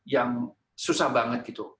yang susah banget gitu